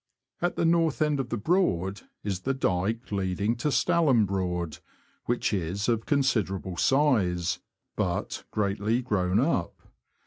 At the North end of the Broad is the dyke leading to Stalham Broad, which is of considerable size, but greatly grown up.